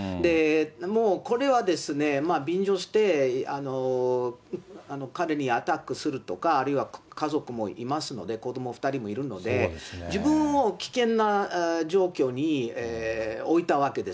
もう、これはですね、便乗して彼にアタックするとか、あるいは家族もいますので、子ども２人もいるので、自分を危険な状況に置いたわけです。